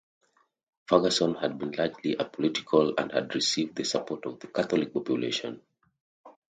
Ferguson had been largely apolitical and had received the support of the Catholic population.